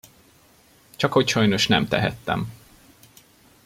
Csakhogy sajnos nem tehettem.